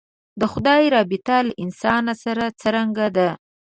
د خدای رابطه له انسان سره څرنګه ده.